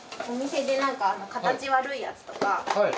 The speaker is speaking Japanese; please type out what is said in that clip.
お店でなんか形悪いやつとか。